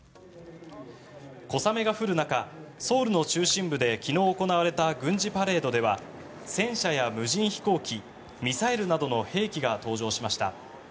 小雨が降る中ソウルの中心部で昨日行われた軍事パレードでは戦車や無人飛行機ミサイルなどの兵器が登場しました。